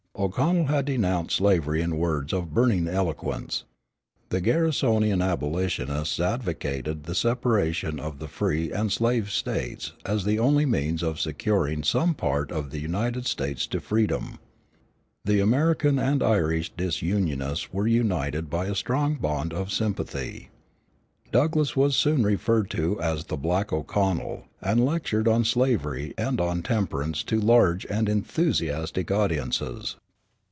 O'Connell had denounced slavery in words of burning eloquence. The Garrisonian abolitionists advocated the separation of the free and slave States as the only means of securing some part of the United States to freedom. The American and Irish disunionists were united by a strong bond of sympathy. Douglass was soon referred to as "the black O'Connell," and lectured on slavery and on temperance to large and enthusiastic audiences.